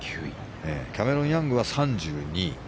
キャメロン・ヤングは３２位。